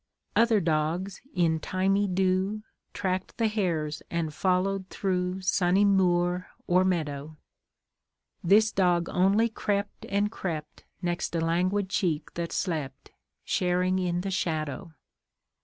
Other dogs, in thymy dew, Tracked the hares and followed through Sunny moor or meadow This dog only crept and crept Next a languid cheek that slept, Sharing in the shadow.